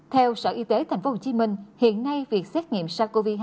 theo sở y tế tp hcm hiện nay việc xét nghiệm sars cov hai